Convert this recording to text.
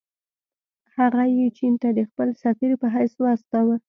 هغه یې چین ته د خپل سفیر په حیث واستاوه.